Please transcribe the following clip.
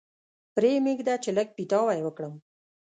پرې مېږده چې لږ پیتاوی وکړم.